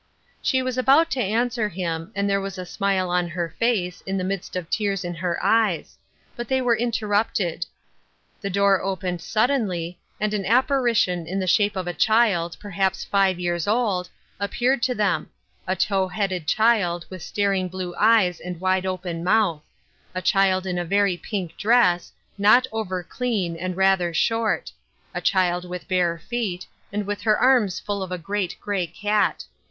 She was about to answer him, and there was A smile on her face, in the midst of tears in her eyes ; but they were interrupted. The door JEmharrassment and Merriment, 289 opened suddenly, and an apparition in the shape of a child, perhaps five years old, appeared to them — a tow headed child with staring blue eyes and wide open mouth — a child in a very pink dress, not over clean and rather short, — a child with bare feet, and with her arms full of a great gray cat.